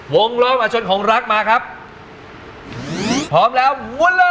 ล้อมหาชนของรักมาครับพร้อมแล้วมุนเลย